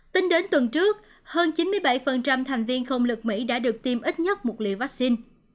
tính đến tuần trước hơn chín mươi bảy thành viên không lực mỹ đã được tiêm ít nhất một liều vaccine